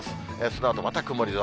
そのあとまた曇り空。